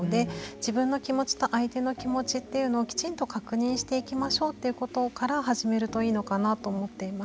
自分の気持ちと相手の気持ちというのをきちんと確認していきましょうということから始めるといいのかなと思っています。